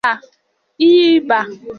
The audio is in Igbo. ịbaa